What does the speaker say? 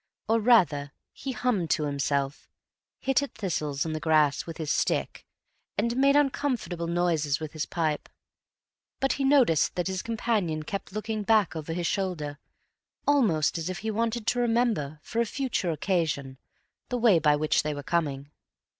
Or rather, he hummed to himself, hit at thistles in the grass with his stick and made uncomfortable noises with his pipe. But he noticed that his companion kept looking back over his shoulder, almost as if he wanted to remember for a future occasion the way by which they were coming.